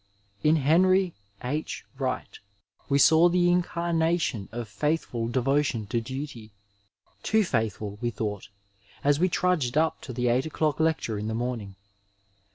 In Henry H. Wright we saw the incarnation of faithful devo tion to duty — ^too faithful, we thought, as we trudged up to the eight o'clock lecture in the morning.